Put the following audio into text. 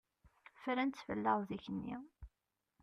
Fran-tt fell-aɣ zik-nni.